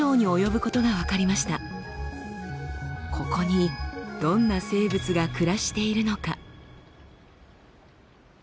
ここにどんな生物が暮らしているのか？